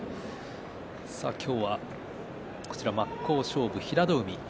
今日は真っ向勝負平戸海です。